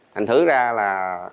thành thứ ra là